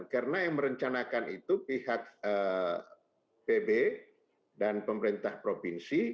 karena yang merencanakan itu pihak pb dan pemerintah provinsi